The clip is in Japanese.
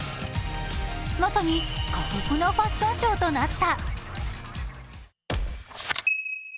まさに過酷なファッションショーとなった。